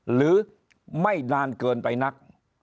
หรือไม่นานเกินไปนัก